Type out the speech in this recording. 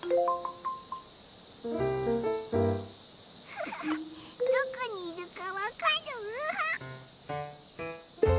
フフフどこにいるかわかる？